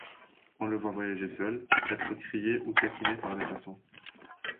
On le voit voyager seul, être crié ou taquiné par les passants.